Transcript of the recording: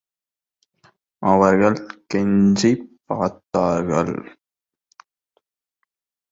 அவர்கள் கெஞ்சிப் பார்த்தார்கள்.